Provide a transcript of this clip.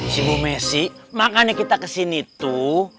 si bu messi makanya kita kesini tuh